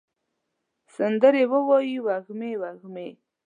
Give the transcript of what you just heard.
سندرې ووایې وږمې، وږمې